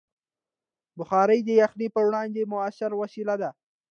بخاري د یخنۍ پر وړاندې مؤثره وسیله ده.